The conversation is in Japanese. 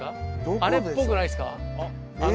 あれっぽくないですか？